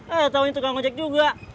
eh tau ini tukang ojek juga